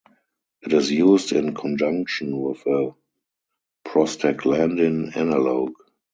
It is used in conjunction with a prostaglandin analogue.